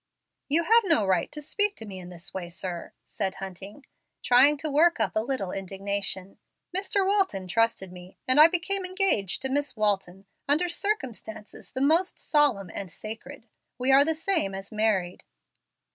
"You have no right to speak to me in this way, sir," said Hunting, trying to work up a little indignation. "Mr. Walton trusted me, and I became engaged to Miss Walton under circumstances the most solemn and sacred; we are the same as married."